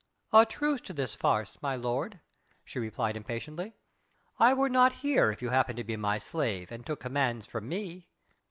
"A truce to this farce, my lord," she retorted impatiently. "I were not here if you happened to be my slave, and took commands from me."